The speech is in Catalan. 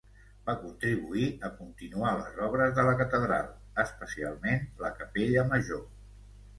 Va contribuir a continuar les obres de la catedral, especialment la capella major.